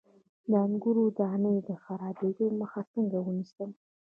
د انګورو د دانې د خرابیدو مخه څنګه ونیسم؟